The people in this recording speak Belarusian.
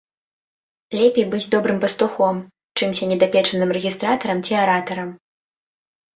Лепей быць добрым пастухом, чымся недапечаным рэгістратарам ці аратарам.